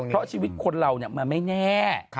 เพราะชีวิตคนเรามันไม่แน่